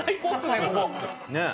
ねえ。